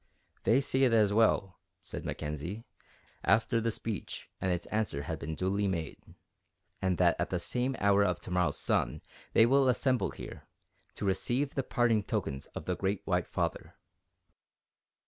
"They say it is well," said Mackenzie, after the speech and its answer had been duly made, "and that at the same hour of to morrow's sun they will assemble here, to receive the parting tokens of the Great White Father."